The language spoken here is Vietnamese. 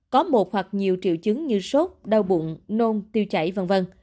có một hoặc nhiều triệu chứng như sốt đau bụng nôn tiêu chảy v v